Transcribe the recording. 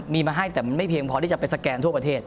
มีมาให้แต่มันไม่เพียงพอที่จะไปสแกนทั่วประเทศ